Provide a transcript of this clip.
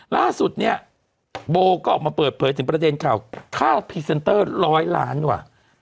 ล่าสุดเนี่ยโบก็ออกมาเปิดเผยถึงประเด็นข่าวค่าพรีเซนเตอร์ร้อยล้านกว่า